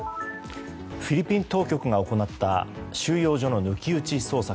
フィリピン当局が行った収容所の抜き打ち捜索。